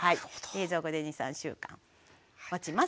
冷蔵庫で２３週間もちます。